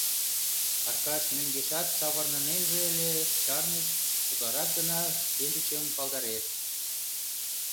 Аркаш мӧҥгешат савырнынеже ыле — чарныш, утларак гына шкендычым палдарет.